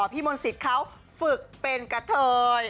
พี่มนต์สิทธิ์เขาฝึกเป็นกะเทย